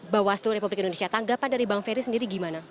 bawaslu republik indonesia tanggapan dari bang ferry sendiri gimana